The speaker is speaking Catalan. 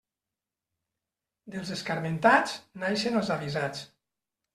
Dels escarmentats, naixen els avisats.